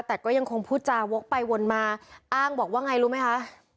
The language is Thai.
แต่ก็ยังคงพูดจาวกไปวนมาอ้างบอกว่าไงรู้ไหมคะ